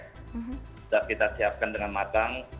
sudah kita siapkan dengan matang